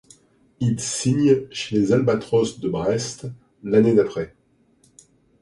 Il signe chez les Albatros de Brest l'année d'après.